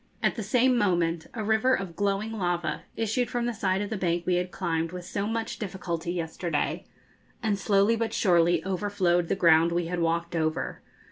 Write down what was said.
At the same moment a river of glowing lava issued from the side of the bank we had climbed with so much difficulty yesterday, and slowly but surely overflowed the ground we had walked over.